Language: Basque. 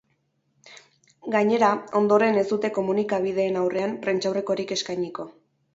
Gainera, ondoren ez dute komunikabideen aurrean prentsaurrekorik eskainiko.